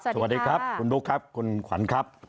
สวัสดีครับคุณบุ๊คคุณขวัญ